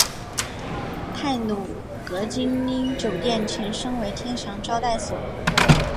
太鲁阁晶英酒店前身为天祥招待所。